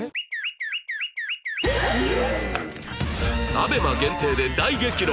ＡＢＥＭＡ 限定で大激論